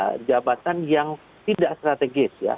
posisikan kepada jabatan yang tidak strategis ya